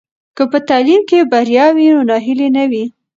که په تعلیم کې بریا وي نو ناهیلي نه وي.